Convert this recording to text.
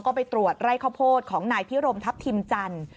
ก็ไปตรวจไร่ข้าวโพดของนายพิรมทัพทิมจันทร์